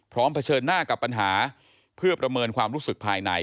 เผชิญหน้ากับปัญหาเพื่อประเมินความรู้สึกภายใน